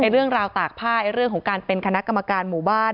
เรื่องราวตากผ้าเรื่องของการเป็นคณะกรรมการหมู่บ้าน